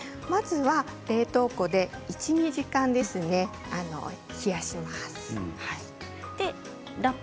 冷凍庫で１、２時間冷やします。